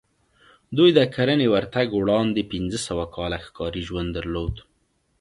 دوی د کرنې ورتګ وړاندې پنځه سوه کاله ښکاري ژوند درلود